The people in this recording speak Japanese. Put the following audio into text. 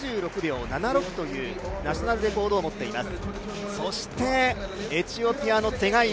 こちらも実力者１４分２６秒７６というナショナルレコードを持っています。